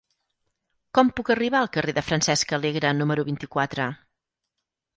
Com puc arribar al carrer de Francesc Alegre número vint-i-quatre?